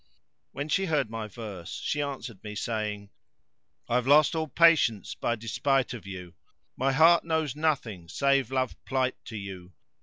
When she heard my verse she answered me saying:— "I've lost all patience by despite of you; * My heart knows nothing save love plight to you!